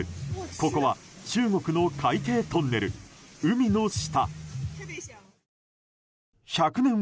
ここは、中国の海底トンネル海の下。